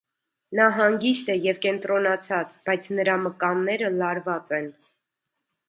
Նա հանգիստ է և կենտրոնացած, բայց նրա մկանները լարված են։